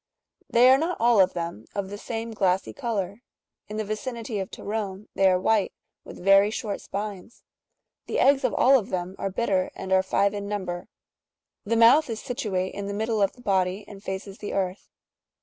They are not all of them of the same glassy colour ; in the vicinity of Torone^ they are white,®'' with very short spines. The eggs^^ of all of them are bitter, and are five in number ; the mouth is situate in the middle of the body, and faces the earth.